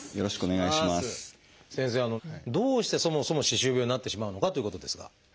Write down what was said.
先生どうしてそもそも歯周病になってしまうのかということですが。